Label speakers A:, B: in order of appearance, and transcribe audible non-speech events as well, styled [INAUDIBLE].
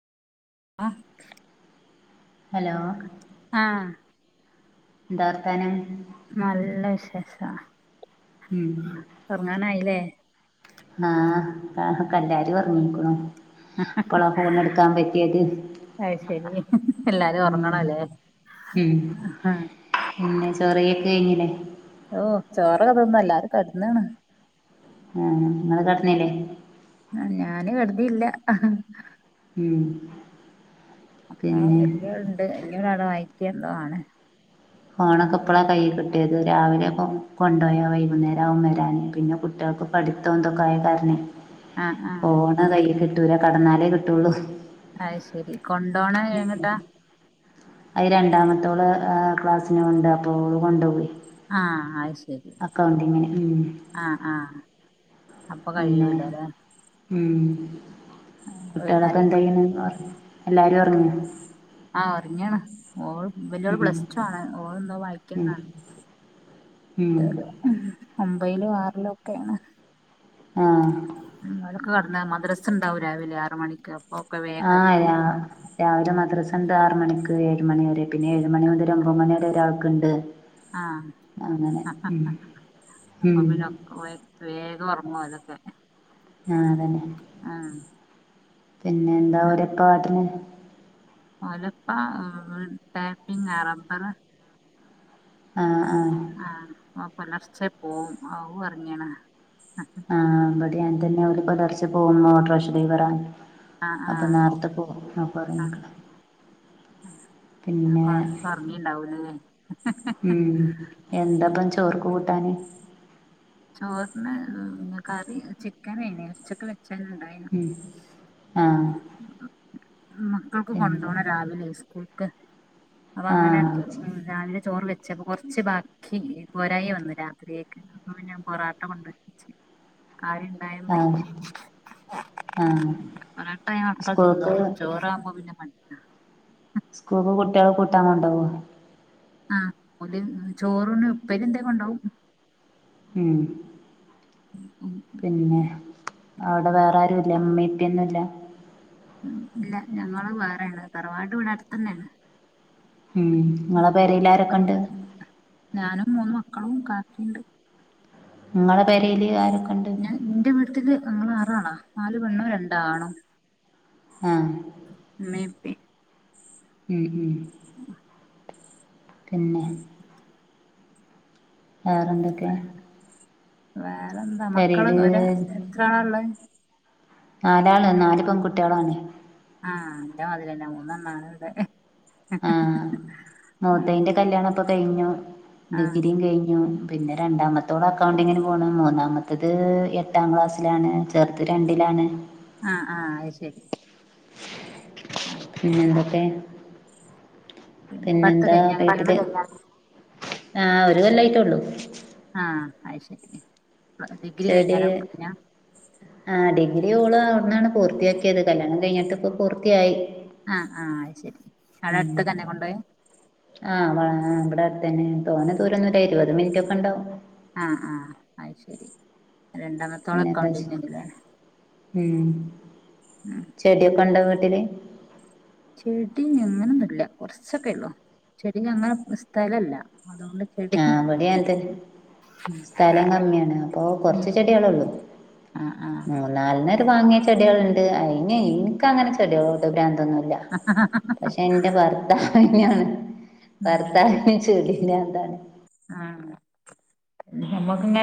A: ആഹ്
B: hello
A: ആഹ്
B: എന്താ വർത്താനം
A: രെസാ
B: ഉം
A: തുറങ്ങാനായില്ലേ
B: ആഹ് കല്ലാരി പറഞ്ഞിക്കുണ് ഇപ്പളാ ഫോണെടുക്കാൻ പറ്റിയത്
A: അത് ശരി എല്ലാരും
B: ഉം
A: ഉറങ്ങണം അല്ലേ
B: ഉം പിന്നെ ചോറൊക്കെ കഴിച്ച് കഴിഞ്ഞില്ലേ
A: ഓ ചോറൊക്കെ തിന്ന് എല്ലാരും കെടന്നേണ്
B: ആഹ് ഇങ്ങള് കിടന്നില്ലേ
A: ആഹ് ഞാന് കട്ന്നില്യ
B: ഉമ്
A: അക്കാ വല്ല്യ ണ്ട് വല്ല്യ ഓൾ വായിക്ക്ണ്ട് ആടെ
B: ഫോണൊക്കെ ഇപ്പളാ കൈ കിട്ടിയത് രാവിലെ കൊണ്ടോയ വൈകുന്നേരാവും വരാന് പിന്നെ കുട്ട്യാ പം പഠിത്തം ന്തൊക്കായ കാരണെ
A: ആഹ് ആഹ്
B: ഫോൺ കൈൽ കിട്ടൂല കട്ന്നാലേ കിട്ടുള്ളൂ
A: അഹ് ശെരി കൊണ്ടോണ എങ്ങട്ടാ?
B: അയ് രണ്ടാമത്തോള് ഏഹ് ക്ലാസ്സിന് പോണ്ട് അപ്പോ ഓൾ കൊണ്ടോവെ
A: ആഹ അത് ശരി
B: ഉം
A: ആഹ ആഹ അപ്പൊ
B: പിന്നെ
A: കഴിയൂലല്ലെ
B: ഉം കുട്ടികളൊക്കെ എന്തെയ്യുന്നു എല്ലാരും ഉറങ്ങിയോ
A: ഓൾ വല്യാള്
B: ഉം
A: പ്ലസ് ടു ആണ് ഓൾ എന്തോ
B: ഉം
A: വായിക്കുന്നാണ്
B: ഉം
A: [UNINTELLIGIBLE] ഉം ഒമ്പയിലും ആറിലും ഒക്കെയാണ്
B: ആഹ്
A: ഉം അതൊക്കെ കടന്നെ മദ്രസുണ്ടാവും രാവിലെ ആറ് മണിക്ക് ഒക്കെ വേഗം
B: ആഹ്
A: കെടക്കും
B: രാ രാവിലെ മദ്രസ് രണ്ട് ആറ് മണിക്ക് ഏഴ് മണി വരെ പിന്നെ ഏഴ് മണി മുതൽ ഒൻമ്പത് മണിവരെ ഒരാൾക്കുണ്ട്
A: ആഹ്
B: അങ്ങനെ ഉം
A: അപ്പ
B: ഉം
A: പിന്ന വേഗം [UNINTELLIGIBLE] [UNINTELLIGIBLE]
B: ആ അതന്നെ
A: ആഹ്
B: പിന്നെ എന്താ [UNINTELLIGIBLE]
A: [UNINTELLIGIBLE]
B: ആഹ് ആഹ്
A: ആ ഓ പൊലർച്ചെ പോവും [UNINTELLIGIBLE]
B: ആഹ് ഇവിടെം അതെന്നെ അവര് പുലർച്ചെ പോകുമ്പോ ഓട്ടോറിക്ഷാ ഡ്രൈവറാണ് അപ്പൊ
A: ആഹ്
B: നേരത്തെ പോവും അപ്പറങ്ങി നിക്കണം
A: ആ പറ പറഞ്ഞിണ്ടാവൂലേ
B: ഉം എന്താപ്പം ചോർക്ക് കൂട്ടാന്
A: ചോറിന് കറി ചിക്കൻ വേണേ ഉച്ചക്ക് വെ ച്ചെണ്ടായിനു
B: ഉം ആഹ്
A: മക്കൾക്ക്
B: പിന്നെ
A: കൊണ്ടുപോണം രാവിലെ സ്കൂൾക്ക് അപ്പൊ
B: ആ
A: അങ്ങനെ ഉം രാവിലെ ചോറ് വെച്ചപ്പം കൊറച്ച് ബാക്കി പോരായി വന്നു രാത്രിയേക്ക് പിന്നെ പൊറാട്ട കൊണ്ട് വച്ച് ആരു ഇണ്ടായും
B: ആ
A: പറ്റി
B: ആ
A: [UNINTELLIGIBLE] പെറോട്ടയാ
B: സ്കൂൾക്ക്
A: തിന്നാല് ചോറാവുമ്പോ പിന്നെ മടിക്കും
B: സ്കൂള് കുട്ടികൾ കൂട്ടാൻ കൊണ്ടോവും
A: ആഹ് [UNINTELLIGIBLE] ചോറിന് ഉപ്പരി എന്തേലും കൊണ്ടോവും
B: ഉം അവിടെ വേറെ ആരുല്ലാ അമ്മേം അനിയത്തിന്നുല്ല
A: ഇല്ല ഞങ്ങള് വേറെയാണ് തറവാട് ഇവിട അടുത്തന്നെയാണ്
B: ഉം നിങ്ങളെ പെരേല് ആരൊക്കൊണ്ട്
A: ഞാനും മൂന്ന് മക്കളും കാക്കിണ്ട്
B: നിങ്ങളെ പെരേല് ആരക്കൊണ്ട്
A: ങ്ങള് ആറാണോ നാല് പെണ്ണും രണ്ട് ആണും
B: ആ
A: [UNINTELLIGIBLE]
B: ഉം ഉം പിന്നെ വേറെ എന്തൊക്കെ
A: വേറെ എന്താ
B: പെരയിൽ
A: മക്കള് ഒര് എത്രാളാ ഒള്ളേ
B: നാലാള് നാല് പെൺകുട്ടികളാണ്
A: ആഹ് എന്റെ മതിലെന്നാ മൂന്നെണ്ണാണ് ഇവിടെ
B: ആഹ്
A: ആഹ്
B: മൂത്തയിന്റെ കല്യാണം ഇപ്പൊ കഴിഞ്ഞു
A: ആഹ്
B: ഡിഗ്രീം കഴിഞ്ഞു പിന്നെ രണ്ടാമത്തോള് അക്കൗണ്ടിങ്ങിന് പോണ് മൂന്നാമത്തത് എട്ടാം ക്ലാസ്സിലാണ് ചെർത് രണ്ടിലാണ്
A: ആഹ് ആഹ് അത് ശരി ആഹ്
B: പിന്നെ എന്തൊക്കെ
A: പിന്നെ ഇപ്പ അടുത്ത്
B: പിന്നെന്താ
A: കഴിഞ്ഞാ
B: വീട്ടില്
A: കല്യാണം
B: [UNINTELLIGIBLE] ആഹ് ഒരു കൊല്ലായിട്ടേ ഉള്ളു
A: ആഹ് അയ്ശരി
B: ചെടിയേ ആഹ് ഡിഗ്രി ഓള് അവിടന്നാണ് പൂർത്തിയാക്കിയത് കല്യാണം കഴിഞ്ഞിട്ട് ഇപ്പൊ പൂർത്തിയായി
A: ആഹ് ആഹ് ശരി അട അടുത്തു തന്നെ കൊണ്ട് പോയേ
B: ആഹ് ഇവിടെ അടുതന്നെ തോനാ ദൂരോന്നി ത്തെ ഇരുപത് മിനിറ്റൊക്കെണ്ടാവും
A: രണ്ടാമത്തോള ഒക്ക ഉണ്ടന്നല്ലേ
B: ഉം ചെടിയൊക്കെ ഉണ്ടോ വീട്ടില്
A: ചെടങ്ങനൊന്നും ഇല്ല കുറച്ചൊക്കെ ഉള്ളു ചെടി അങ്ങനെ സ്ഥലല്ല. അതുകൊണ്ട് ചെടി
B: ആഹ്വിടിയനത്ത സ്ഥലം കമ്മിയാണ് അപ്പൊ കൊറച്ചു
A: ഉം
B: ചെടികള ഉള്ളു
A: ആഹ് ആഹ്
B: മൂന്നാലിനര് വാങ്ങിയ ചെടികളുണ്ട് അയി ഇനിക്ക അങ്ങനെ ചെടികള ന്ന പക്ഷെ എന്റെ ഭർത്താവിനാണ്
A: ഉം
B: ഭർത്താവി ചോലി ന്നെ എന്താണ്?
A: ആ നമ്മക്ക്ങ്ങ